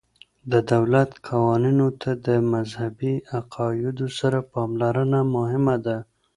د دولت قوانینو ته د مذهبي عقایدو سره پاملرنه مهمه ده.